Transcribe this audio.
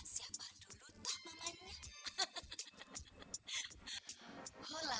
siapa dulu tah mamanya